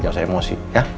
jangan emosi ya